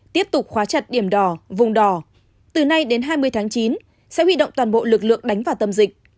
tiếp tục khóa chặt điểm đỏ vùng đỏ từ nay đến hai mươi tháng chín sẽ huy động toàn bộ lực lượng đánh vào tâm dịch